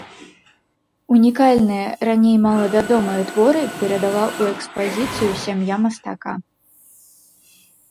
Унікальныя, раней мала вядомыя творы перадала ў экспазіцыю сям'я мастака.